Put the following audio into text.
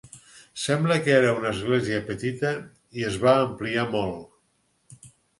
Sembla que era una església petita i es va ampliar molt.